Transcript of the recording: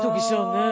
ねえ。